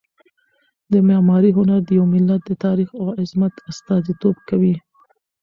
د معمارۍ هنر د یو ملت د تاریخ او عظمت استازیتوب کوي.